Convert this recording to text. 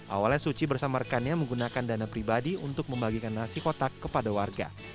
awalnya suci bersama rekannya menggunakan dana pribadi untuk membagikan nasi kotak kepada warga